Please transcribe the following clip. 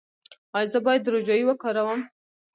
ایا زه باید روجايي وکاروم؟